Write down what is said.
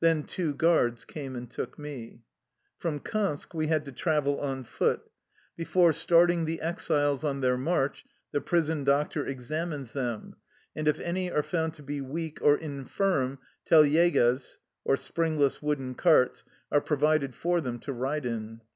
Then two guards came and took me. From Kansk we had to travel on foot. Before starting the exiles on their march the prison doctor examines them, and if any are found to be weak or infirm telyegas '^ are provided for them to ride in.